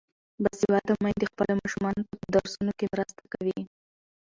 باسواده میندې خپلو ماشومانو ته په درسونو کې مرسته کوي.